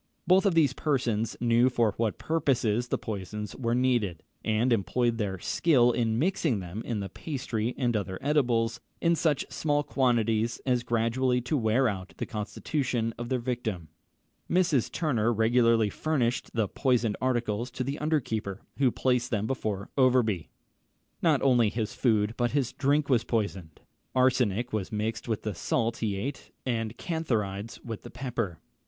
Both these persons knew for what purposes the poisons were needed, and employed their skill in mixing them in the pastry and other edibles, in such small quantities as gradually to wear out the constitution of their victim. Mrs. Turner regularly furnished the poisoned articles to the under keeper, who placed them before Overbury. Not only his food but his drink was poisoned. Arsenic was mixed with the salt he ate, and cantharides with the pepper.